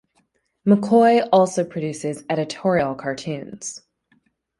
McCoy also produces editorial cartoons.